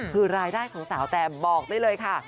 คือรายได้ของสาวแตมบอกได้เลยค่ะ